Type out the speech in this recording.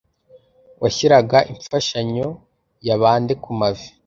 washyiraga imfashanyo ya bande ku mavi